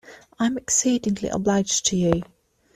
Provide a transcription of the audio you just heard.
I am exceedingly obliged to you.